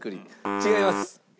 違います。